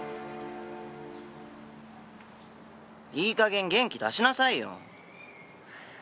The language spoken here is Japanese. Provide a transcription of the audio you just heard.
いいかげん元気出しなさいよ。